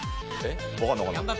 分かんない分かんない。